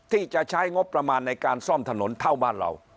ที่จะใช้งบประมาณในการซ่อมถนนเท่าบ้านเรา